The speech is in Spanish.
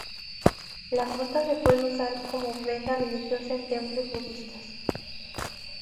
La fruta se puede usar como ofrenda religiosa en templos budistas.